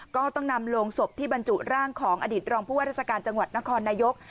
ก็ต้องนำโรงศพที่บรรจุร่างของอดีตรองผู้ว่าราชการจังหวัดนครนายก